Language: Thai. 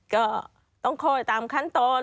ก็ต้องคอยตามขั้นตอน